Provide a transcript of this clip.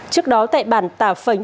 trước đó tại bản tả phẩm